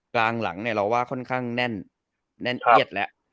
กลางหลังเราว่าค่อนข้างแน่นแน่นเอียดแล้ว